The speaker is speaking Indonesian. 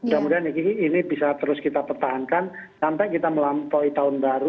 mudah mudahan ini bisa terus kita pertahankan sampai kita melampaui tahun baru